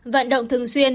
vận động thường xuyên